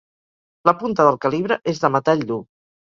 La punta del calibre és de metall dur.